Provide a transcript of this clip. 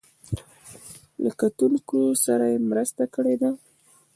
له کتونکو سره مرسته کړې ده.